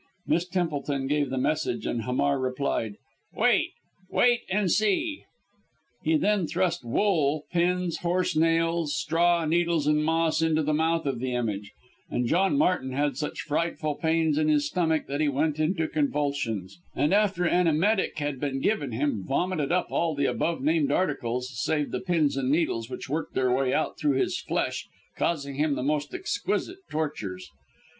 Miss Templeton gave the message, and Hamar replied "Wait! Wait and see!" He then thrust wool, pins, horsenails, straw, needles and moss into the mouth of the image, and John Martin had such frightful pains in his stomach that he went into convulsions; and, after an emetic had been given him, vomited up all the above named articles, save the pins and needles which worked their way out through his flesh, causing him the most exquisite tortures.